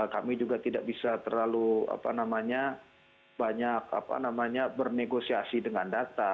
kami juga tidak bisa terlalu apa namanya banyak apa namanya bernegosiasi dengan